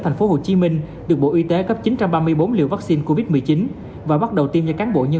thành phố hồ chí minh được bộ y tế cấp chín trăm ba mươi bốn liều vắc xin covid một mươi chín và bắt đầu tiêm cho cán bộ nhân